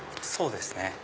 そうですね。